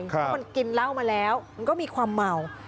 เพราะมันกินเหล้ามาแล้วมันก็มีความเมา